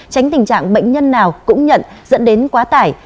tránh tình trạng bệnh nhân nào cũng nhận dẫn đến quá tải